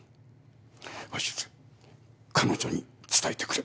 鷲津彼女に伝えてくれ。